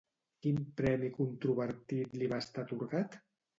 Quin premi controvertit li va estar atorgat?